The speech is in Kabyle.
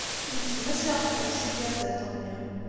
Yegzem-as iɣef-nnes i tyaziḍt-nni.